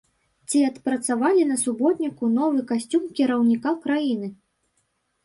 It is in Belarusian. Ці адпрацавалі на суботніку новы касцюм кіраўніка краіны?